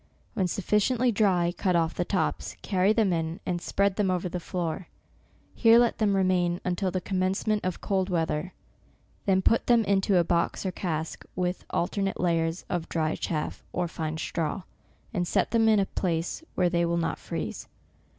When sufficiently dry, cut olf the tops, carry them in, and spread them over the floor. Here let them remain, until the commencement of cold weather; then put them into a box or cask, with alternate layers of dry chaff, or fine straw, and set them in a place where they will not freeze.